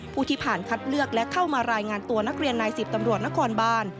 ที่ผ่านคัดเลือกและเข้ามารายงานตัวนักเรียนนาย๑๐ตำรวจนครบาน